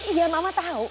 iya mama tahu